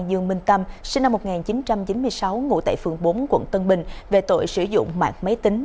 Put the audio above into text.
dương minh tâm sinh năm một nghìn chín trăm chín mươi sáu ngụ tại phường bốn quận tân bình về tội sử dụng mạng máy tính